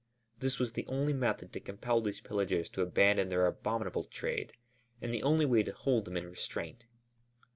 This was the only method to compel these pillagers to abandon their abominable trade and the only way to hold them in restraint.